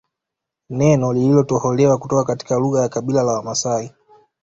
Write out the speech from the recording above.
Neno lililotoholewa kutoka katika lugha ya kabila la Wamaasai